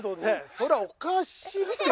そりゃおかしいって！